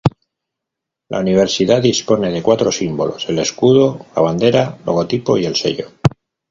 La Universidad dispone de cuatro símbolos: el escudo, la bandera, logotipo y el sello.